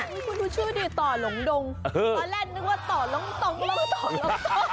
นี่คุณดูชื่อดิต่อหลงดงเอาแรนนึกว่าต่อหลงต่อไม่รู้ว่าต่อหลงต่อ